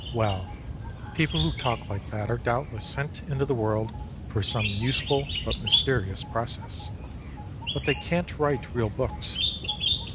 Well, people who talk like that are doubtless sent into the world for some useful but mysterious process ; but they cant tvrite real books.